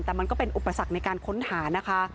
แต่มันก็เป็นอุปสรรคในการค้นหานะคะ